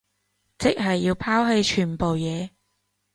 即係要拋棄全部嘢